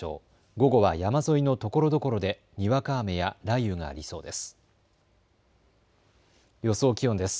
午後は山沿いのところどころでにわか雨や雷雨がありそうです。